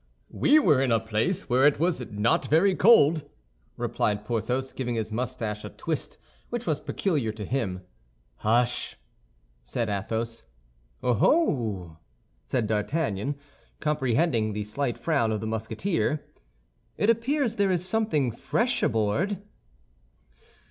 "We were in a place where it was not very cold," replied Porthos, giving his mustache a twist which was peculiar to him. "Hush!" said Athos. "Oh, oh!" said D'Artagnan, comprehending the slight frown of the Musketeer. "It appears there is something fresh aboard."